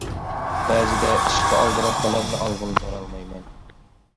بەزىدە ئىشقا ئالدىراپ بالامنى ئالغىلى بارالمايمەن.